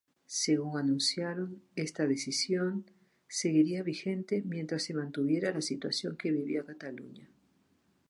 Según anunciaron, esta decisión seguiría vigente mientras se mantuviera la situación que vivía Cataluña.